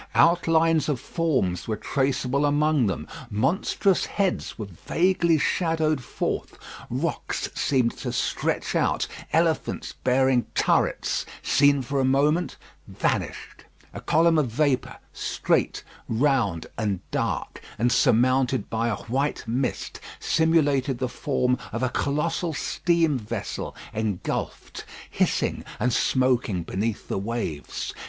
Outlines of forms were traceable among them; monstrous heads were vaguely shadowed forth; rocks seemed to stretch out; elephants bearing turrets, seen for a moment, vanished. A column of vapour, straight, round, and dark, and surmounted by a white mist, simulated the form of a colossal steam vessel engulfed, hissing, and smoking beneath the waves.